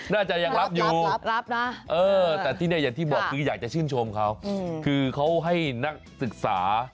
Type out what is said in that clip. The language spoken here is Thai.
น่าจะยังรับอยู่รับนะเออแต่ที่เนี่ยอย่างที่บอกคืออยากจะชื่นชมเขาคือเขาให้นักศึกษา